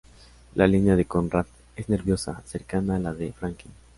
La línea de Conrad es nerviosa, cercana a la de Franquin.